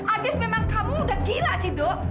abis memang kamu udah gila sih dok